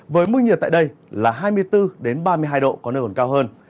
với mức nhiệt tại đây là hai mươi bốn ba mươi hai độ có nơi còn cao hơn